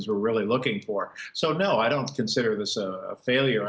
saya menganggap ini sebuah kegagalan